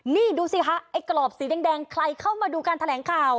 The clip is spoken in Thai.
นี่ดูสิคะไอ้กรอบสีแดงใครเข้ามาดูการแถลงข่าว